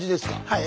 はい。